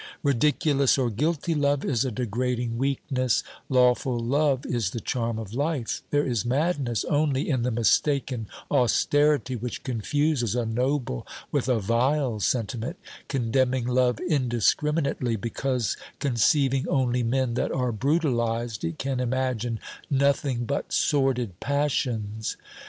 Ridiculous or guilty love is a degrading weakness ; lawful love is the charm of life ; there is madness only in the mistaken austerity which confuses a noble with a vile sentiment, 'condemning love indiscriminately, because, con ceiving only men that are brutalised, it can imagine nothing but sordid passions.